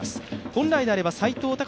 本来であれば斎藤隆